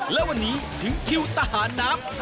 และวันนี้ถึงคิวตหาหนัก